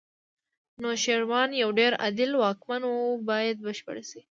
نوشیروان یو ډېر عادل واکمن و باید بشپړ شي.